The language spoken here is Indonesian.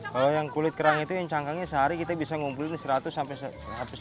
kalau yang kulit kerang itu yang cangkangnya sehari kita bisa ngumpulin seratus sampai seratus